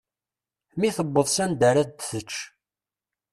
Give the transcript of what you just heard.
Mi tewweḍ s anda ra d-tečč.